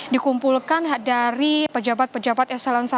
dikumpulkan dari pejabat pejabat eselon satu